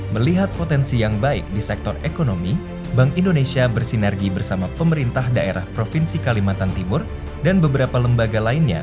melihat potensi yang baik di sektor ekonomi bank indonesia bersinergi bersama pemerintah daerah provinsi kalimantan timur dan beberapa lembaga lainnya